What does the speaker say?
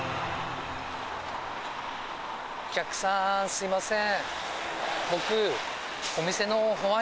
お客さん、すみません。